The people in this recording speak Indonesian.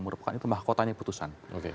merupakan itu mahkotanya putusan